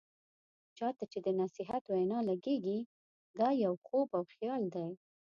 چا ته چې د نصيحت وینا لګیږي، دا يو خوب او خيال دی.